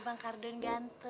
abang kardun ganteng